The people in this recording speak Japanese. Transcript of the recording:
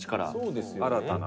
新たな」